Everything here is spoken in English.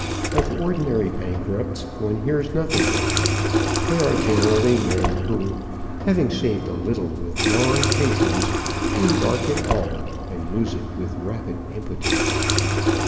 Of ordinary bankrupts one hears nothing. They are generally men who, having saved a little with long patience, embark it all and lose it with rapid impotence.